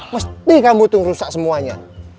mesti kamu utuh rusak semuanya